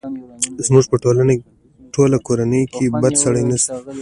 زموږ په ټوله کورنۍ کې بد سړی نه شته!